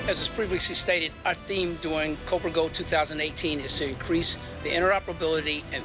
ในเวลาดนประเทศหลังจากเกาะโบราณ